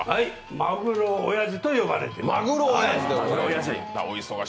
マグロおやじと呼ばれています。